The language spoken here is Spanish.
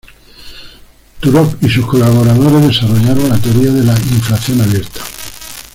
Turok y sus colaboradores desarrollaron la teoría de la "inflación abierta".